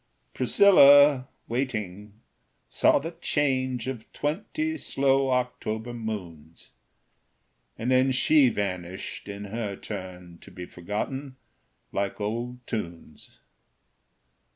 Priscilla, waiting, saw the change Of twenty slow October moons; And then she vanished, in her turn To be forgotten, like old tunes.